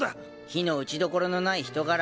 非の打ちどころのない人柄。